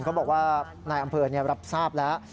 เขาบอกว่านายอำเภอรับทราบแล้ว